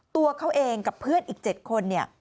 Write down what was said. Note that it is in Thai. ตัวเขาเองกับเพื่อนอีก๗คน